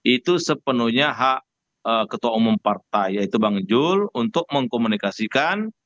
itu sepenuhnya hak ketua umum partai yaitu bang jul untuk mengkomunikasikan